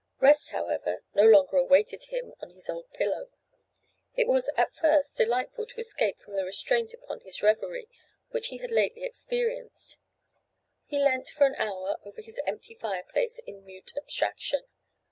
Rest, however, no longer awaited him on his old pillow. It was at first delightful to escape from the restraint upon his reverie which he had lately experienced. He leant for an hour over his empty fireplace in mute abstraction.